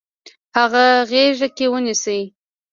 هغه غیږ کې ونیسئ.